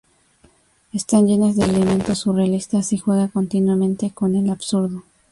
Están llenas de elementos surrealistas y juega continuamente con el absurdo.